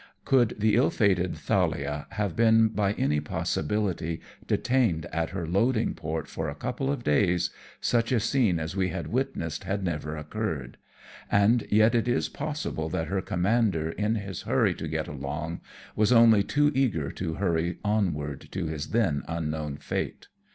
Could the ill fated Thalia have been by any possibility detained at her loading port for a couple of days, such a scene as we had witnessed had never occurred, and yet it is possible that her commander in his hurry to get along, was only too eager to hurry onward to his then unknown fate.